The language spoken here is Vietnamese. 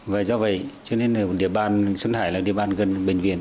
và do vậy xuân hải là địa bàn gần bệnh viện